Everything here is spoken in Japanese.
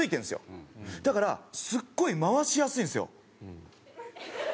だからすっごい回しやすいんですよ。